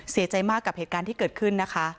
เสียใจมากกับเหตุการณ์ที่เกิดขึ้นนะคะ